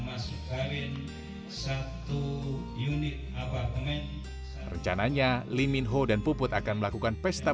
pemimpinan pemerintah di indonesia lee min ho dan puput yang menurut pemerintah